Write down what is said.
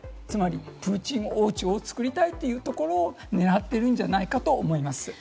つまり、プーチン王朝を作りたいということを狙っているんじゃないかと思います。